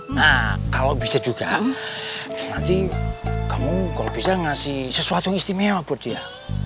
nah kalau bisa juga nanti kamu kalau bisa ngasih sesuatu yang istimewa buat dia